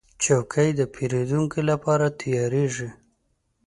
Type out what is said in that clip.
چوکۍ د پیرودونکو لپاره تیارېږي.